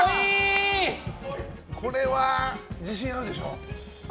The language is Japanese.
これは自信あるでしょ？